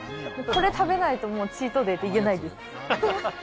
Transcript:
これ食べないとチートデイって言えないです。